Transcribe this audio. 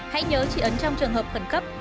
hãy nhớ chỉ ấn trong trường hợp khẩn cấp